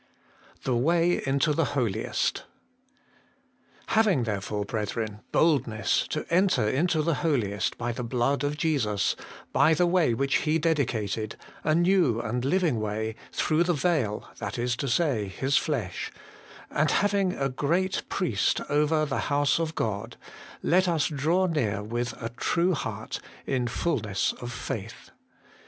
Wqt Mag into the Holiest, 'Having therefore, brethren, boldness to enter into the Holiest by the blood of Jesus, by the way which He dedicated, a new and living way, through the veil, that is to say, His flesh : and having a great Priest over the house of God ; let us draw near with a true heart, in fulness of faith.'